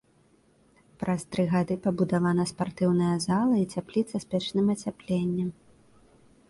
Праз тры гады пабудавана спартыўная зала і цяпліца з пячным ацяпленнем.